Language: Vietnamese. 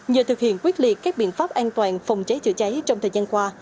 nhờ thực hiện quyết liệt các biện pháp an toàn phòng cháy chữa cháy trong thời gian qua